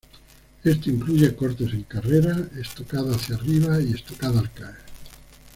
Esto incluye cortes en carrera, estocada hacia arriba y estocada al caer.